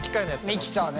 ミキサーね。